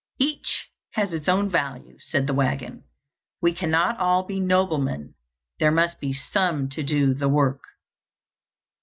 "Each has its own value," said the wagon; "we cannot all be noblemen; there must be some to do the work."